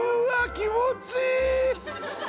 気持ちいい！